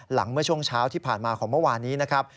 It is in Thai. เมื่อช่วงเช้าที่ผ่านมาของเมื่อวานนี้นะครับ